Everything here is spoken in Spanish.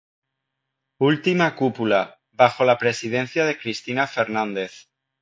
Última cúpula, bajo la presidencia de Cristina Fernández.